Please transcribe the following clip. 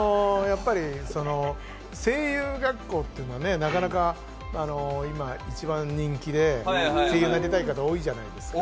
声優学校というとなかなか今一番人気で、声優になりたい方多いじゃないですか。